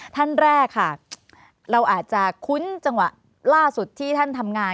ท่านแรกค่ะเราอาจจะคุ้นจังหวะล่าสุดที่ท่านทำงาน